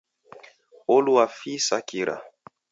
Olua fii sa kira.